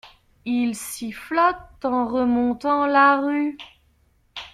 Il sifflote en remontant la rue.